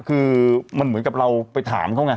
พี่อีกต่อมาพี่อีกต่อมาพี่อีกต่อมาพี่อีกต่อมา